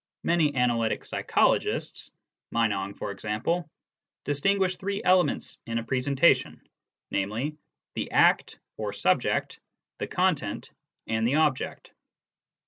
Many analytic psycho logists Meinong, for example distinguish three elements in a presentation, namely, the act (or subject), the content, and the object.